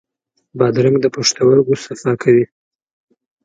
بادرنګ د پښتورګو صفا کوي.